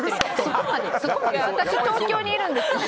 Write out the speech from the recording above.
私、東京にいるんですけど。